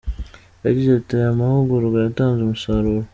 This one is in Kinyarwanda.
Yagize ati “Aya mahugurwa yatanze umusaruro.